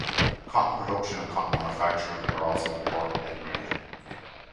Cotton production and cotton manufacturing are also important in the region.